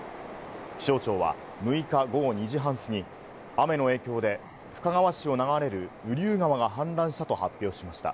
気象庁は６日午後２時半過ぎ、雨の影響で深川市を流れる雨竜川が氾濫したと発表しました。